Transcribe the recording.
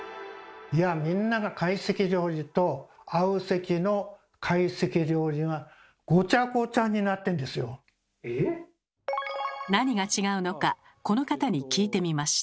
いやぁみんなが何が違うのかこの方に聞いてみました。